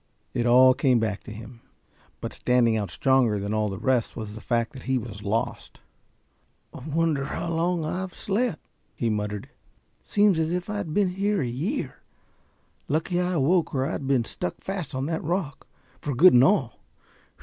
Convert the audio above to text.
It all came back to him but standing out stronger than all the rest was the fact that he was lost. "Wonder how long I've slept," he muttered. "Seems as if I had been here a year. Lucky I awoke or I'd been stuck fast on that rock, for good and all.